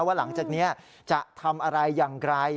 หลังจากนี้จะทำอะไรอย่างไร